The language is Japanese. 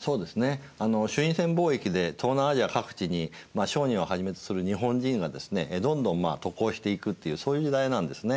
朱印船貿易で東南アジア各地に商人をはじめとする日本人がですねどんどん渡航していくっていうそういう時代なんですね。